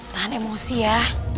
tahan emosi ya